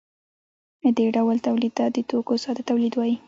دې ډول تولید ته د توکو ساده تولید وايي.